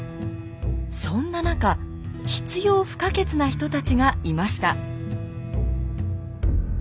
そんな中必要不可欠な人たちがいました。